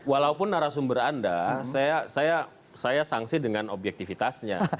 walaupun narasumber anda saya sangsi dengan objektifitasnya